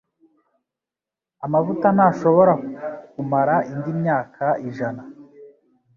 Amavuta ntashobora kumara indi myaka ijana.